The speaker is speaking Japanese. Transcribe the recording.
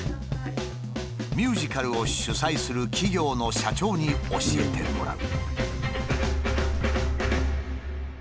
ミュージカルを主催する企業の社長に教えてもらう。